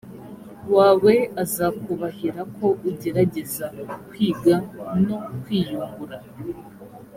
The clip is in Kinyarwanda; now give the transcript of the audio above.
wawe azakubahira ko ugerageza kwiga no kwiyungura